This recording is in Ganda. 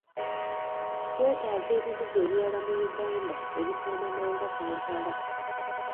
Twetaaga ebibuga ebirala mu Uganda ebifaanana nga Kampala.